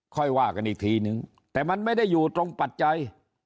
ค่อยว่ากันอีกทีนึงแต่มันไม่ได้อยู่ตรงปัจจัย